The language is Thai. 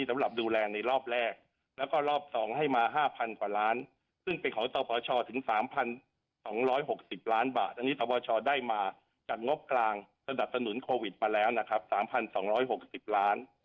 ต่างสนับสนุนโควิดมาแล้วนะครับ๓๒๖๐ล้าน